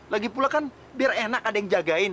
lagipula kan biar enak ada yang jagain